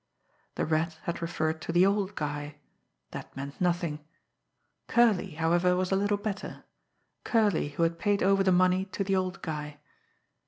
The Rat had referred to "the old guy" that meant nothing. "Curley," however, was a little better Curley, who had paid over the money to the "old guy."